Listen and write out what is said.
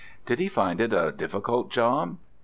"Did he find it a difficult job?"